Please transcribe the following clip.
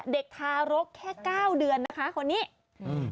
เด็กทารกแค่๙เดือนนะคะคนนี้